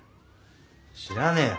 知らねえよ。